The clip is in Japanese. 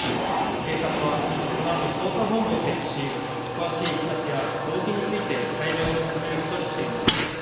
警察は、このあと捜査本部を設置し詳しいいきさつや動機について解明を進めることにしています。